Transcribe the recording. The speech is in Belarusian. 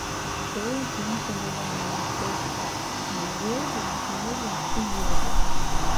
Цэлы дзень залівае нас дождж, а мы едзем, едзем і едзем.